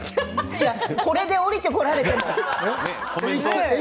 いや、これで降りてこられても。